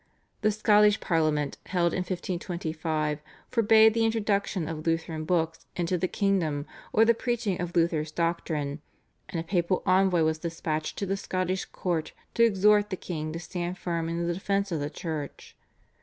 The Scottish Parliament held in 1525 forbade the introduction of Lutheran books into the kingdom or the preaching of Luther's doctrine, and a papal envoy was dispatched to the Scottish court to exhort the king to stand firm in the defence of the Church.